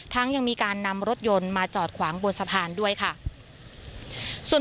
ยังมีการนำรถยนต์มาจอดขวางบนสะพานด้วยค่ะส่วน